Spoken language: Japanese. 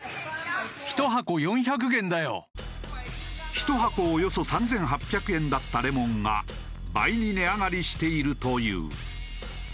１箱およそ３８００円だったレモンが倍に値上がりしているという。